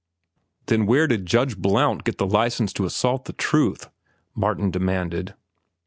"Then where did Judge Blount get the license to assault truth?" Martin demanded.